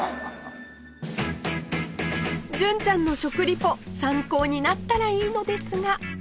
純ちゃんの食リポ参考になったらいいのですが